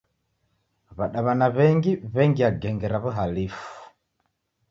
W'adaw'ana w'engi w'engia genge ra w'uhalifu.